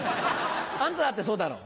あんただってそうだろう。